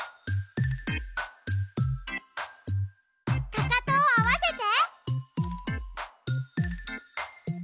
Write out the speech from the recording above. かかとをあわせて。